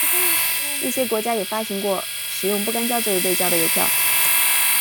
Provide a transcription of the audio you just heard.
一些国家也发行过使用不干胶作为背胶的邮票。